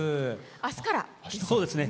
あすからですね。